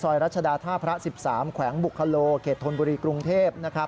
ซอยรัชดาธาพระ๑๓แขวงบุคลโลเขตธนบุรีกรุงเทพฯ